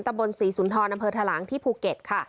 ตะบน๔ศูนทรนธารังที่ภูเก็ต